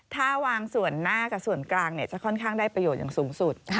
ถ้าวางส่วนหน้ากับส่วนกลางจะค่อนข้างได้ประโยชน์อย่างสูงสุด